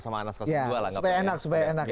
supaya enak supaya enak